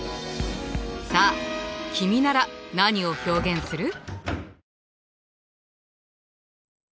さあ君なら何を表現する？